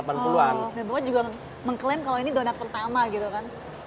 oh dan bapak juga mengklaim kalau ini donat pertama gitu